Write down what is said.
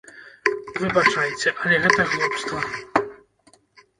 Выбачайце, але гэта глупства.